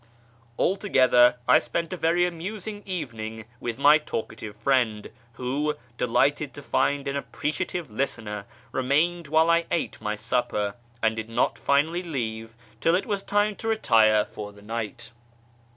Altogether, I spent a very amusing evening with my talkative friend, who, delighted to find an appreciative listener, remained wdiile I ate my supper, and did not finally leave till it was time to retire for the night.